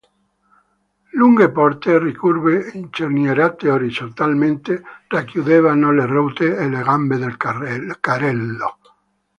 Lunghe porte ricurve, incernierate orizzontalmente, racchiudevano le ruote e le gambe del carrello.